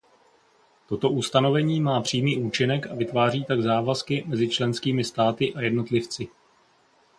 Toto ustanovení má přímý účinek a vytváří tak závazky mezi členskými státy a jednotlivci.